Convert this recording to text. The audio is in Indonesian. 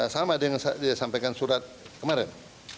sama dengan surat yang disampaikan kemarin